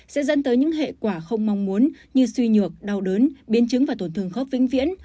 sẽ dẫn tới những hệ quả không mong muốn như suy nhược đau đớn biến chứng và tổn thương khóc vĩnh viễn